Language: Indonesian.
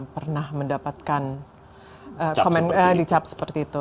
pernah mendapatkan komen di cap seperti itu